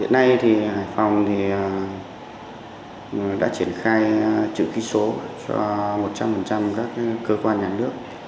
hiện nay thì hải phòng đã triển khai chữ ký số cho một trăm linh các cơ quan nhà nước